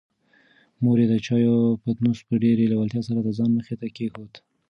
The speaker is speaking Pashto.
مور یې د چایو پتنوس په ډېرې لېوالتیا سره د ځان مخې ته کېښود.